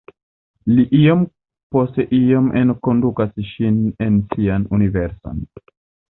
Li iom post iom enkondukas ŝin en sian universon.